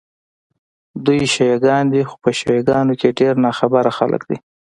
دوی شیعه ګان دي، خو په شیعه ګانو کې ډېر ناخبره خلک دي.